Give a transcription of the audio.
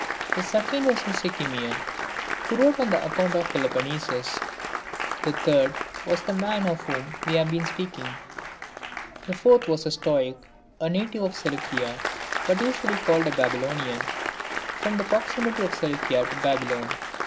The second was a Sicymian, who wrote an account of Peloponnesus. The third was the man of whom we have been speaking. The fourth was a Stoic, a native of Seleucia, but usually called a Baby lonian, from the proximity of Seleucia to Babylon.